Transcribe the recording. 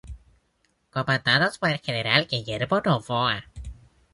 Comandados por el General Guillermo Novoa.